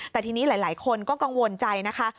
แต่ทีนี้หลายคนก็กังวลใจนะคะ